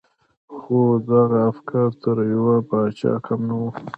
خو د هغه افکار تر يوه پاچا کم نه وو.